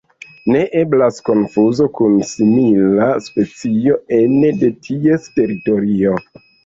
Ne eblas konfuzo kun simila specio ene de ties teritorio.